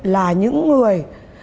là những người